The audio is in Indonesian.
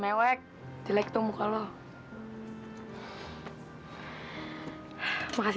makasih banyak tren y implicasi